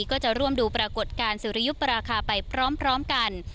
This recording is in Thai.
ก็จะร่วมดูปรากฏการณ์สุริยุปราคาไปพร้อมกัน